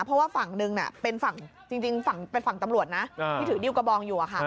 เพราะว่าฝั่งนึงจริงฝั่งตำรวจนะที่ถือดิวกระบองอยู่